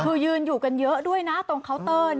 คือยืนอยู่กันเยอะด้วยนะตรงเคาน์เตอร์